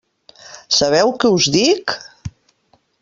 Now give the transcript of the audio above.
Sabeu què us dic?